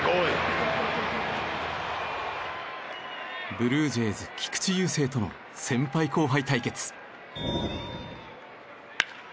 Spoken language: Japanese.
ブルージェイズ菊池雄星との先輩後輩対決。